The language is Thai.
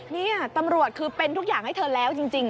นี่ตำรวจคือเป็นทุกอย่างให้เธอแล้วจริง